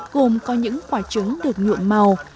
gồm có những quả trứng được nhuộm màu